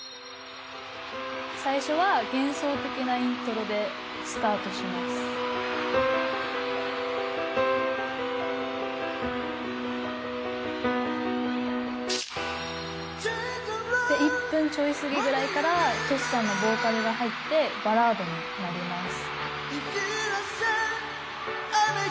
「最初は幻想的なイントロでスタートします」「１分ちょい過ぎぐらいからＴｏｓｈｌさんのボーカルが入ってバラードになります」